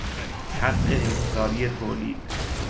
حق انحصاری تولید